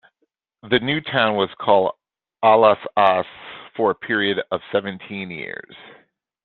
The new town was called "Alas-as" for a period of seventeen years.